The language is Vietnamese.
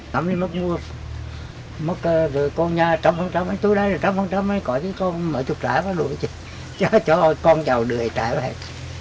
nói như mất mùa mất đời con nha trăm phần trăm tối nay là trăm phần trăm có cái con mở chục trái vào đuổi cho con giàu đuổi trái vào